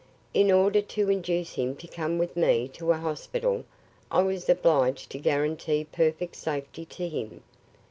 In order to induce him to come with me to a hospital, I was obliged to guarantee perfect safety to him.